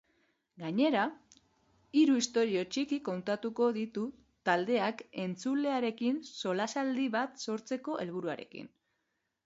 Gainera, hiru istorio txiki kontatuko ditu taldeak entzulearekin solasaldi bat sortzeko helburuarekin.